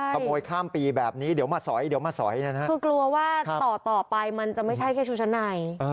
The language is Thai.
กระโมยข้ามปีแบบนี้เดี๋ยวมาสอย